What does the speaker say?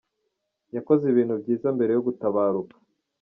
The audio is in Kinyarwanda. Yakoze ibintu byiza mbere yo gutabaruka.